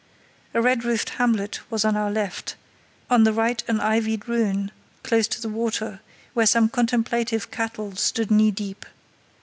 A red roofed hamlet was on our left, on the right an ivied ruin, close to the water, where some contemplative cattle stood knee deep.